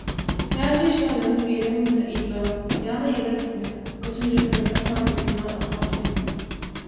Ýaş işgärleriň birem muny «yza», ýagny yza gitmek, götünjeklemek manysynda okapdy.